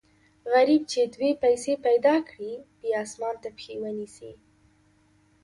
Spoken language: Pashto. غریب چې دوې پیسې پیدا کړي، بیا اسمان ته پښې و نیسي.